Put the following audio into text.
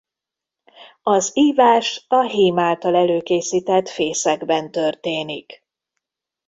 Az ívás a hím által előkészített fészekben történik.